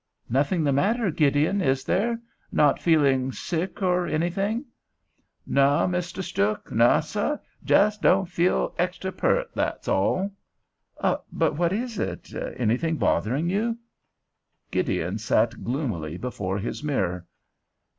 "Nothing the matter, Gideon, is there? Not feeling sick or anything?" "No, Misteh Stuhk; no, seh. Jes don' feel extry pert, that's all." "But what is it—anything bothering you?" Gideon sat gloomily before his mirror.